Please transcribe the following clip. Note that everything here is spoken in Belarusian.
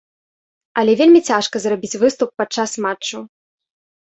Але вельмі цяжка зрабіць выступ падчас матчу.